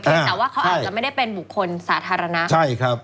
แต่ว่าเขาอาจจะไม่ได้เป็นบุคคลสาธารณะใช่ครับ